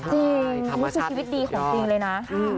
ใช่ธรรมชาติสุดยอดค่ะนี่คือชีวิตดีของจริงเลยนะ